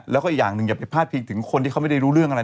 แล้วก็อีกอย่างหนึ่งอย่าไปพาดพิงถึงคนที่เขาไม่ได้รู้เรื่องอะไร